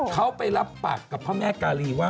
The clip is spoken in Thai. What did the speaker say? เขาไปรับปากกับพระแม่กาลีว่า